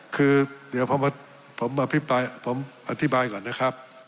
คือเดี๋ยวผมอธิบายก่อนนะครับ